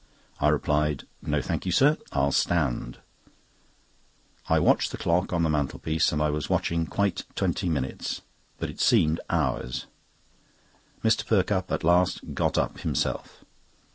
I replied: "No, thank you, sir; I'll stand." I watched the clock on the mantelpiece, and I was waiting quite twenty minutes; but it seemed hours. Mr. Perkupp at last got up himself.